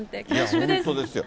本当ですよ。